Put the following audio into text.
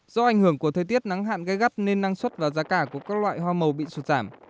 do ảnh hưởng của thời tiết nắng hạn gai gắt nên năng suất và giá cả của các loại hoa màu bị sụt giảm